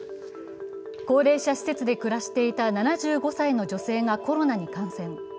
高齢者施設で暮らしていた７５歳の女性がコロナに感染。